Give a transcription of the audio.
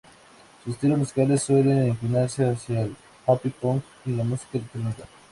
Sus estilos musicales suelen inclinarse hacia el happy punk y la música electrónica.